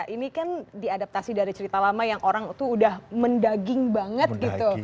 ini kan diadaptasi dari cerita lama yang orang tuh udah mendaging banget gitu